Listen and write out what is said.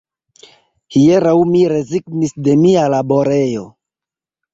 Hieraŭ mi rezignis de mia laborejo